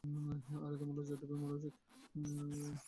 আরে, তোমার তো লজ্জায় ডুবে মরা উচিত!